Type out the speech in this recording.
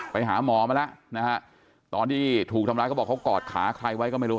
ไปหาหมอมาแล้วนะฮะตอนที่ถูกทำร้ายเขาบอกเขากอดขาใครไว้ก็ไม่รู้